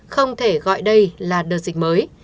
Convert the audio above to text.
không thể gọi đây là đợt dịch mới